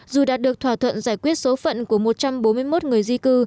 dù đạt được thỏa thuận giải quyết số phận của một trăm bốn mươi một người di cư